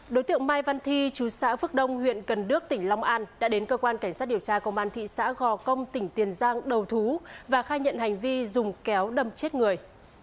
đối tượng mai văn thi chú xã phước đông huyện cần đước tỉnh long an đã đến cơ quan cảnh sát điều tra công an thị xã gò công tỉnh tiền giang đầu thú và khai nhận hành vi dùng kéo đâm chết người